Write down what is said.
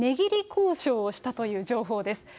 値切り交渉をしたという情報です。